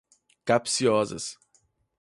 capciosas